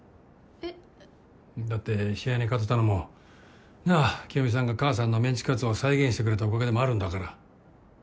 えっ？だって試合に勝てたのも清美さんが母さんのメンチカツを再現してくれたおかげでもあるんだから。